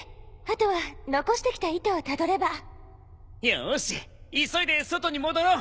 よし急いで外に戻ろう！